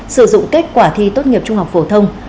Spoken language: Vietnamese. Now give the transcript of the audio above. sử dụng kết quả thi tốt nghiệp trung học phổ thông